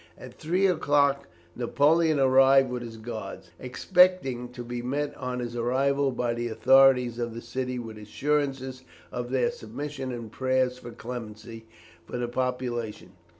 At three o'clock Napoleon arrived with his guards, expecting to be met on his arrival by the authorities of the city with assurances of their submission and prayers for clemency for the population.